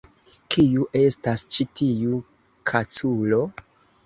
Kiu estas ĉi tiu kaculo?